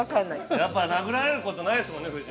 ◆やっぱ殴られることないですもんね、夫人。